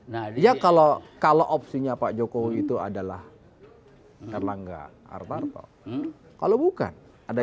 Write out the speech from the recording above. nah dia kalau kalau opsinya pak jokowi itu adalah hai terlangga art art kalau bukan ada